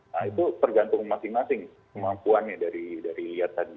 nah itu tergantung masing masing kemampuannya dari lihat tadi